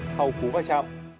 sau cú vai trạm